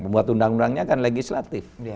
pembuat undang undangnya akan legislatif